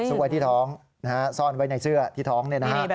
ซุกวัยที่ท้องซาวนไว้ในเสื้อที่ท้อง